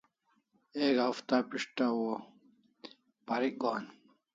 Ek hafta pes'taw o parik gohan